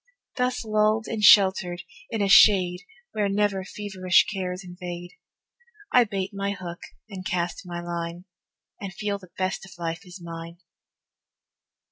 Thus lulled and sheltered in a shade Where never feverish cares invade, I bait my hook and cast my line, And feel the best of life is mine.